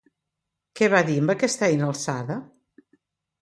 Què va dir amb aquesta eina alçada?